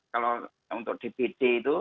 kalau untuk dpd itu